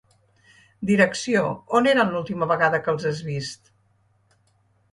Direcció – On eren l’última vegada que els has vist?